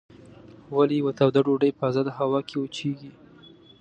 ولې یوه توده ډوډۍ په ازاده هوا کې وچیږي؟